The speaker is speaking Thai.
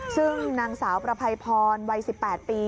ซึ่งนางสาวประภัยพรวัย๑๘ปี